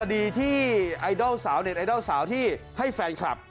ดีที่ไอดอลสาวเน็ตไอดอลสาวที่ให้แฟนคลับ